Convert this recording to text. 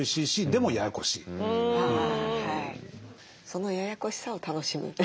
そのややこしさを楽しむ。